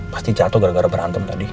pasti jatuh gara gara berantem tadi